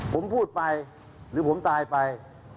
ผมพูดไปหรือผมตายไป